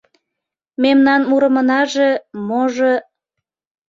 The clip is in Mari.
— Мемнан мурымынаже, можо...